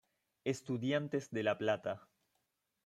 Estudiantes de La Plata.